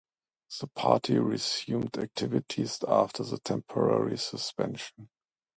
The party resumed activities after the temporary suspension.